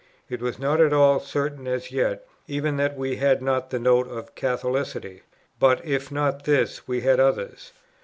It was not at all certain as yet, even that we had not the Note of Catholicity; but, if not this, we had others.